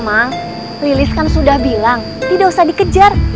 mama lilis kan sudah bilang tidak usah dikejar